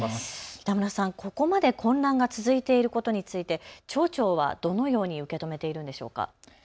北村さん、ここまで混乱が続いていることについて町長はどのように受け止めているのでしょうか。